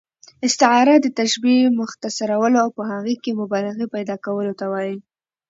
استعاره د تشبیه، مختصرولو او په هغې کښي مبالغې پیدا کولو ته وايي.